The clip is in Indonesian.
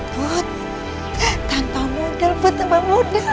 put tanpa modal put sama modal